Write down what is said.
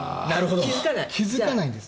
気付かないんです。